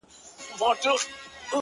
بغاوت دی سرکښي ده ـ زندگي د مستۍ نوم دی